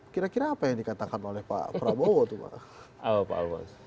kira kira apa yang dikatakan oleh pak prabowo tuh pak almas